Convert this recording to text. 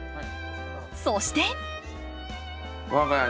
そして。